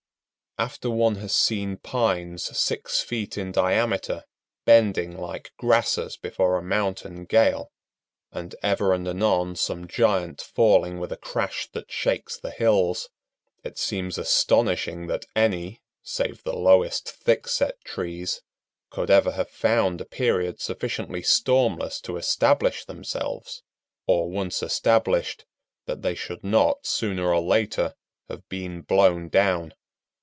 ] After one has seen pines six feet in diameter bending like grasses before a mountain gale, and ever and anon some giant falling with a crash that shakes the hills, it seems astonishing that any, save the lowest thickset trees, could ever have found a period sufficiently stormless to establish themselves; or, once established, that they should not, sooner or later, have been blown down.